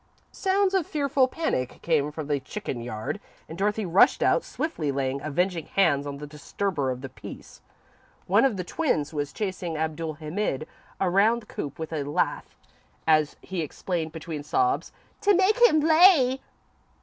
Sounds of fearful panic came from the chicken yard, and Dorothy rushed out, swiftly laying avenging hands on the disturber of the peace. One of the twins was chasing Abdul Hamid around the coop with a lath, as he explained between sobs, "to make him lay."